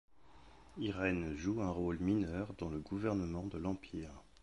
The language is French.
Irène joue un rôle mineur dans le gouvernement de l’Empire.